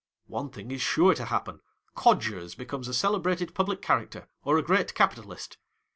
One thing is sure to happen. Codgers becomes a celebrated public character, or a great capitalist.